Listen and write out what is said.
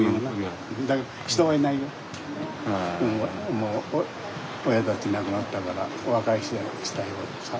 もう親たち亡くなったから若い人は下へ。